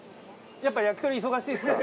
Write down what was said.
やっぱり焼き鳥忙しいですか？